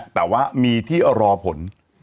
แต่ว่ามีที่รอผล